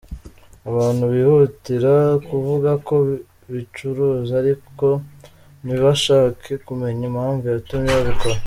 Abantu bihutira kuvuga ko bicuruza ariko ntibashake kumenya impamvu yatumye babikora.